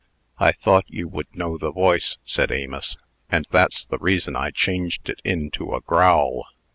"I thought you would know the voice," said Amos, "and that's the reason I changed it into a growl.